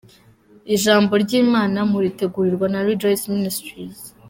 Ijambo ry’Imana muritegurirwa na Rejoice Ministries.